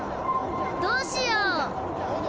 どうしよう！